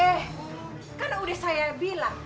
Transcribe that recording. eh karena udah saya bilang